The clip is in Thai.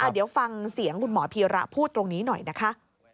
เดี๋ยวฟังเสียงคุณหมอพีระพูดตรงนี้หน่อยนะคะ